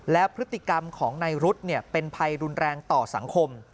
และพฤติกรรมของในรุ๊ดเนี่ยเป็นภัยรุนแรงต่อสังคม